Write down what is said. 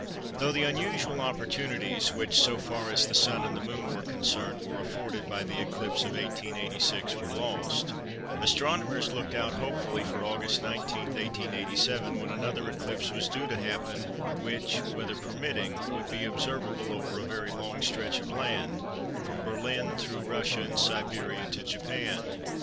Though the unusual opportunities which, so far as the Sun and the Moon were concerned, were afforded by the eclipse of 1886 were lost, astronomers looked out hopefully for August 19, 1887, when another eclipse was due to happen which, weather permitting, would be observable over a very long stretch of land, from Berlin through Russia and Siberia to Japan.